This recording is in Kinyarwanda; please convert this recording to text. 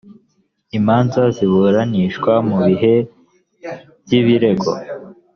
manza ziburanishwa mu bihe bw ibirego